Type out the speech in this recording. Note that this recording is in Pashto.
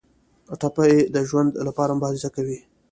ټپي د ژوند لپاره مبارزه کوي.